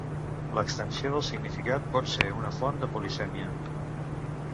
L'extensió de significat pot ser una font de polisèmia.